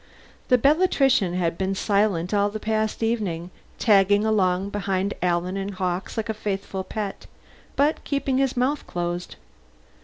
The Bellatrician had been silent all the past evening, tagging along behind Alan and Hawkes like a faithful pet, but keeping his mouth closed.